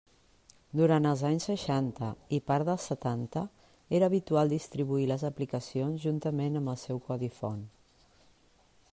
Durant els anys seixanta i part dels setanta era habitual distribuir les aplicacions juntament amb el seu codi font.